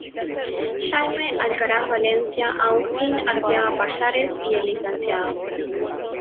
Jaime Alcaraz Valencia, Agustín Arteaga Pallares, y el Lic.